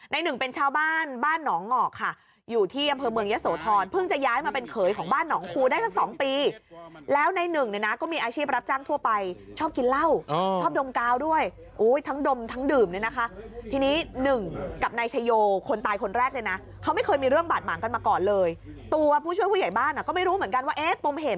หนึ่งเป็นชาวบ้านบ้านหนองหงอกค่ะอยู่ที่อำเภอเมืองยะโสธรเพิ่งจะย้ายมาเป็นเขยของบ้านหนองคูได้สักสองปีแล้วในหนึ่งเนี่ยนะก็มีอาชีพรับจ้างทั่วไปชอบกินเหล้าชอบดมกาวด้วยอุ้ยทั้งดมทั้งดื่มเนี่ยนะคะทีนี้หนึ่งกับนายชโยคนตายคนแรกเนี่ยนะเขาไม่เคยมีเรื่องบาดหมางกันมาก่อนเลยตัวผู้ช่วยผู้ใหญ่บ้านอ่ะก็ไม่รู้เหมือนกันว่าเอ๊ะปมเหตุ